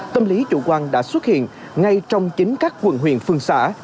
tâm lý chủ quan đã xuất hiện ngay trong chính các quận huyện phương xã